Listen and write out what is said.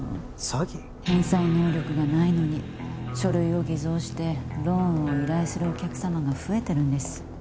返済能力がないのに書類を偽造してローンを依頼するお客様が増えてるんです